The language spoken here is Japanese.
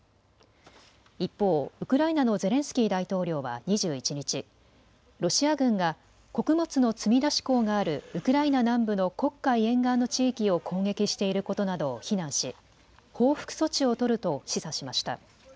一方、ウクライナのゼレンスキー大統領は２１日、ロシア軍が穀物の積み出し港があるウクライナ南部の黒海沿岸の地域を攻撃していることなどを非難し報復措置を取ると示唆しました。